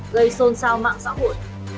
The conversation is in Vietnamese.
gây xôn xao mạng xã hội